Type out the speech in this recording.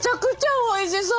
おいしそう！